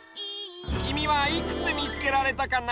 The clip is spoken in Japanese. きみはいくつみつけられたかな？